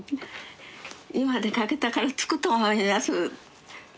「今出かけたから着くと思います」。